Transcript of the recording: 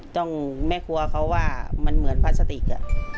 ต้องแม่ครัวเขาว่ามันเหมือนพลาสติก